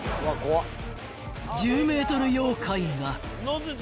［１０ｍ妖怪が］